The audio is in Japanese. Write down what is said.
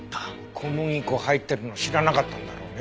小麦粉入ってるの知らなかったんだろうね。